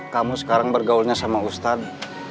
kamu sekarang bergaulnya sama ustadz